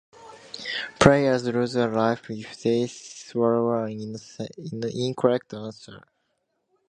Players lose a life if they swallow an incorrect answer.